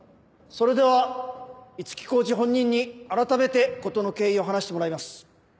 それでは五木耕司本人に改めて事の経緯を話してもらいます。